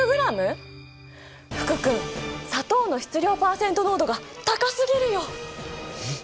福君砂糖の質量パーセント濃度が高すぎるよ。